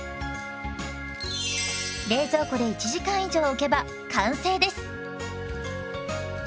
冷蔵庫で１時間以上おけば完成です。